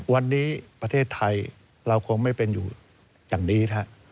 วันนี้ประเทศไทยเราคงไม่เป็นอยู่อย่างนี้นะครับ